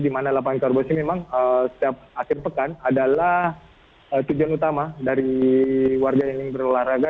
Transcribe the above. di mana lapangan karbos ini memang setiap akhir pekan adalah tujuan utama dari warga yang ingin berolahraga